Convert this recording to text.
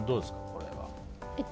これは。